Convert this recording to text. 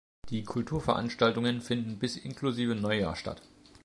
Die Kulturveranstaltungen finden bis inklusive Neujahr statt.